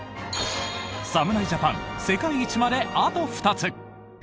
侍ジャパン世界一まであと２つ。